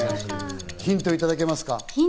ヒントいただけますか？